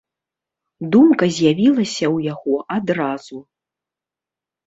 Думка з'явілася ў яго адразу.